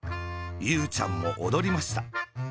ゆうちゃんもおどりました。